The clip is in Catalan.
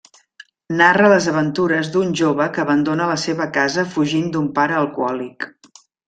Narra les aventures d'un jove que abandona la seva casa fugint d'un pare alcohòlic.